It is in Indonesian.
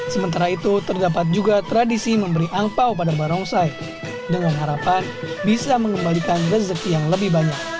sementara itu terdapat juga tradisi memberi angpao pada barongsai dengan harapan bisa mengembalikan rezeki yang lebih banyak